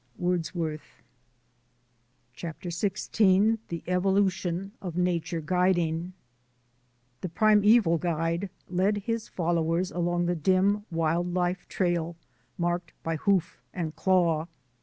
— Wordsworth. CHAPTER XVI THE EVOLUTION OF NATURE GUIDING THE primeval guide led his followers along the dim, wild life trail marked by hoof and claw.